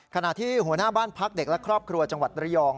ขณะที่หัวหน้าบ้านพักเด็กและครอบครัวจังหวัดระยอง